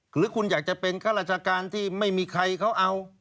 หรือคุณอยากจะเป็นข้าราชการที่ไม่มีใครเขาเอา